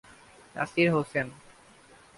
Nasir Hossain